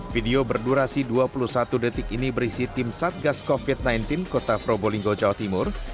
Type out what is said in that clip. video berdurasi dua puluh satu detik ini berisi tim satgas covid sembilan belas kota probolinggo jawa timur